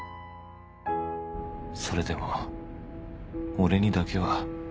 それでも俺にだけは